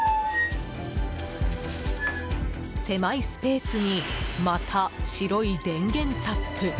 狭いスペースにまた白い電源タップ。